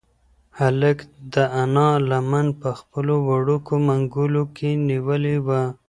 هلک د انا لمن په خپلو وړوکو منگولو کې نیولې وه.